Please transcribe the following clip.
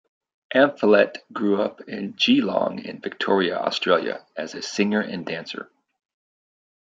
Amphlett grew up in Geelong in Victoria, Australia, as a singer and dancer.